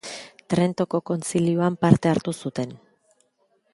Trentoko Kontzilioan parte hartu zuen.